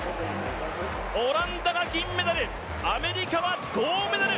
オランダが銀メダル、アメリカは銅メダル。